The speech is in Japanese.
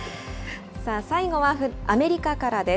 最後はアメリカからです。